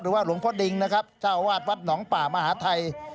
หรือว่าหลวงพ่อดิงนะครับเจ้าวาดวัดหนองป่ามหาทัย